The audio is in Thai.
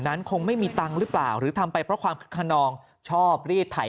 นั้นคงไม่มีตังค์หรือเปล่าหรือทำไปเพราะความคึกขนองชอบรีดไถ